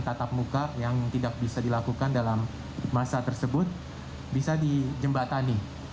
tatap muka yang tidak bisa dilakukan dalam masa tersebut bisa dijembatani